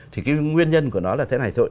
thì cái nguyên nhân của nó là thế này thôi